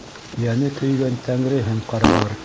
Йәне көйгән тәңреһен ҡарғар.